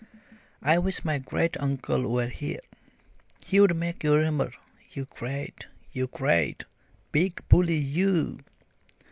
"I wish my great uncle were here! He'd make you remember you great you great big bully you!"